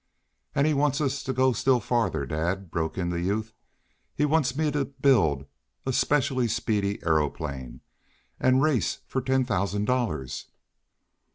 "And he wants us to go still farther, dad," broke in the youth. "He wants me to build a specially speedy aeroplane, and race for ten thousand dollars."